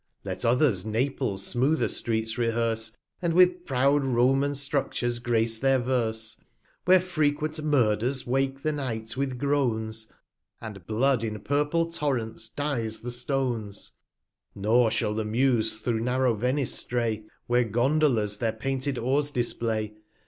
Let others Naples smoother Streets rehearse, And with proud Roman Structures grace their Verse, Where frequent Murders wake the Night with Groans, And Blood in purple Torrents dies the Stones ; 96 Nor shall the Muse through narrow Venice stray, Where Gondolas their painted Oars display.